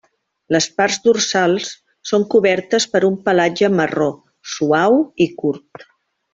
Les parts dorsals són cobertes per un pelatge marró, suau i curt.